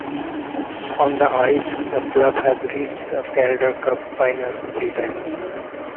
On the ice, the club has reached the Calder Cup Finals three times.